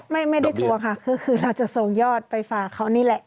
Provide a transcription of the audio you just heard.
ไม่ได้ทัวร์ค่ะคือเราจะส่งยอดไปฝากเขานี่แหละ